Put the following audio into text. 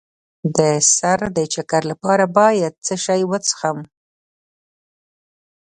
د سر د چکر لپاره باید څه شی وڅښم؟